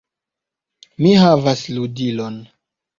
Mi havas ludilon!